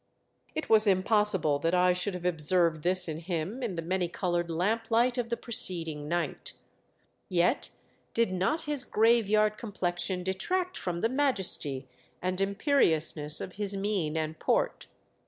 It was impossible that I should have observed this in him in the mani coloured lamplight of the preceding night. Yet did not his graveyard complexion detract from I INSPECT THE FLYING DUTCHMAN. IO9 the majesty and imperiousness of his mien and port.